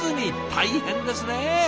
大変ですね。